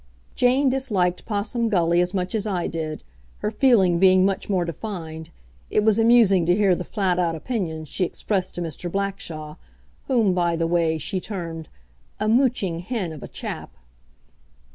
Jane disliked Possum Gully as much as I did. Her feeling being much more defined, it was amusing to hear the flat out opinions she expressed to Mr Blackshaw, whom, by the way, she termed "a mooching hen of a chap".